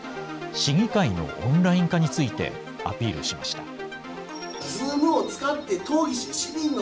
市議会のオンライン化について、アピールしました。